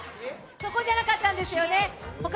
そこじゃなかったんですよね、他に。